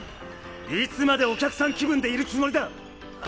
いつまでお客さん気分でいるつもりだ！